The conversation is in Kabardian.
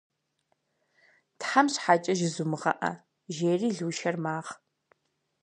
Тхьэм щхьэкӏэ, жызумыгъэӏэ!- жери Лушэр магъ.